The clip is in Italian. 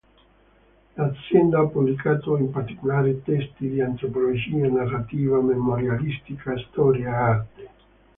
L'azienda ha pubblicato, in particolare, testi di antropologia, narrativa, memorialistica, storia e arte.